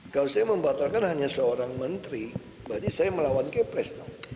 kalau saya membatalkan hanya seorang menteri berarti saya melawan kepres